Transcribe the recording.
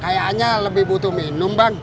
kayaknya lebih butuh minum bang